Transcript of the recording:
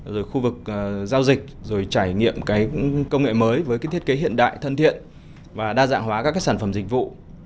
rồi khu vực giao dịch rồi trải nghiệm công nghệ mới với thiết kế hiện đại thân thiện và đa dạng hóa các sản phẩm dịch vụ